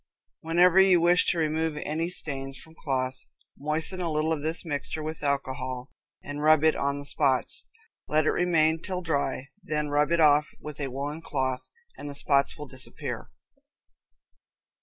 Whenever you wish to remove any stains from cloth, moisten a little of this mixture with alcohol and rub it on the spots. Let it remain till dry, then rub it off with a woolen cloth, and the spots will disappear.